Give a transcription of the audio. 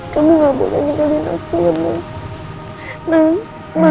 kamu nggak boleh ngendaliin aku sama masa